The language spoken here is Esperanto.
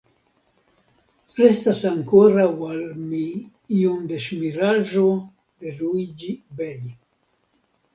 Restas ankoraŭ al mi iom da ŝmiraĵo de Luiĝi-bej.